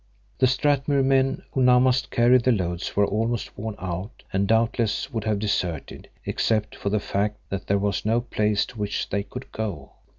The Strathmuir men, who now must carry the loads, were almost worn out and doubtless would have deserted, except for the fact that there was no place to which they could go.